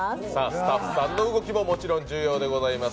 スタッフさんの動きももちろん重要でございます。